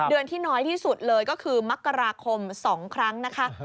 เดือนที่น้อยที่สุดเลยก็คือมกราคม๒ครั้งนะคะ